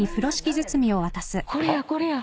これやこれや。